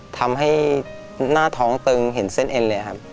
ทำให้หน้าท้องตึงเห็นเส้นเอ็นเลยครับ